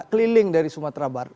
keliling dari sumatera bar